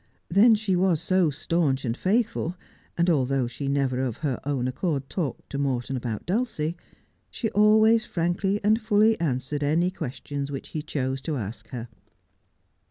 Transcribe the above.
Then she was so staunch and faithful, and although she never of her own accord talked to Morton about Dulcie, she always frankly and fully answered any questions which he chose to ask her.